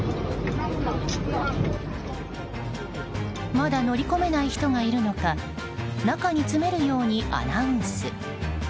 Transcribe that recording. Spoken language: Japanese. まだ乗り込めない人がいるのか中に詰めるようにアナウンス。